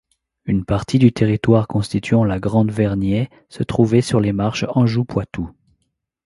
Une partie du territoire constituant la Grande Vergnaie se trouvait sur les marches Anjou-Poitou.